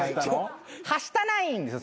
はしたないんですよ